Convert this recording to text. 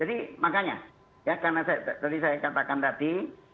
jadi makanya karena tadi saya katakan tadi